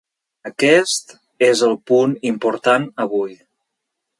Aquest és el punt important avui.